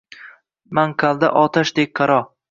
manqalda otashdek qaro